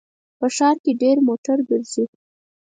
په ښار کې ډېر موټر ګرځي